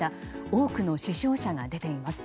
多くの死傷者が出ています。